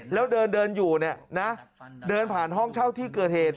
แล้วเดินอยู่เนี่ยนะเดินผ่านห้องเช่าที่เกิดเหตุ